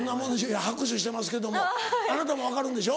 いや拍手してますけどもあなたも分かるんでしょ？